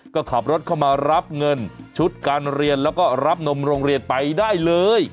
ก็ขับรถเข้ามารับเงินชุดการเรียนแล้วก็รับนมโรงเรียนไปได้เลย